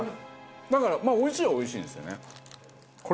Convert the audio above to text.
だからまあおいしいはおいしいですよね。